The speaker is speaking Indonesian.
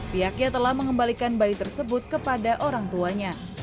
pihaknya telah mengembalikan bayi tersebut kepada orang tuanya